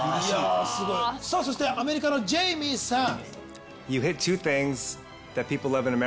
そしてアメリカのジェイミーさん。